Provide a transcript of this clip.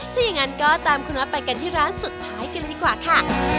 ถ้าอย่างนั้นก็ตามคุณน็อตไปกันที่ร้านสุดท้ายกันเลยดีกว่าค่ะ